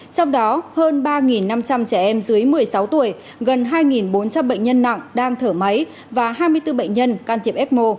trong đó hơn ba năm trăm linh trẻ em dưới một mươi sáu tuổi gần hai bốn trăm linh bệnh nhân nặng đang thở máy và hai mươi bốn bệnh nhân can thiệp ecmo